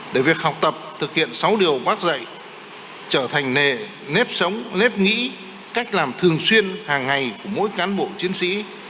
để việc học tập thực hiện sáu điều bác dạy trở thành nề nếp sống nếp nghĩ cách làm thường xuyên hàng ngày của mỗi cán bộ chiến sĩ